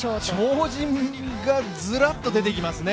超人がずらっと出てきますね。